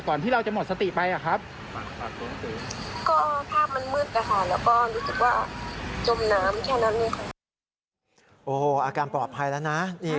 โอ้โหอาการปลอดภัยแล้วนะ